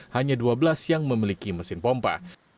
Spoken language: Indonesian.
hanya dua belas yang memiliki mesin pompa